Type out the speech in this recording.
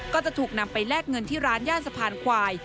ก็จะถูกนำไปแลกเงินที่ร้านย่านสะพานควาย